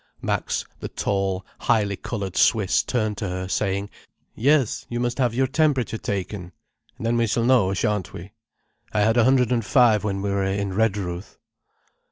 Max, the tall, highly coloured Swiss, turned to her, saying: "Yes, you must have your temperature taken, and then we s'll know, shan't we. I had a hundred and five when we were in Redruth."